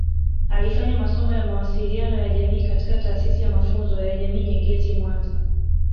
Alifanya masomo ya mawasiliano ya jamii katika Taasisi ya mafunzo ya jamii Nyegezi mwanza